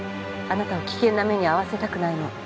あなたを危険な目に遭わせたくないの。